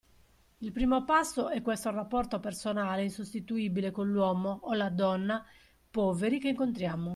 Il primo passo è questo rapporto personale insostituibile con l'uomo o la donna poveri che incontriamo.